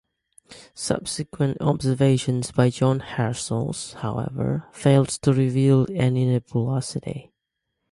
Subsequent observations by John Herschel, however, failed to reveal any nebulosity.